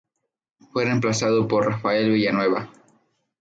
Fue reemplazado por Rafael Villanueva.